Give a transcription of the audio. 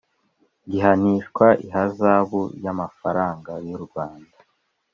gihanishwa ihazabu y amafaranga y u rwanda